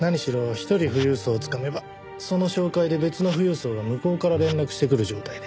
１人富裕層をつかめばその紹介で別の富裕層が向こうから連絡してくる状態で。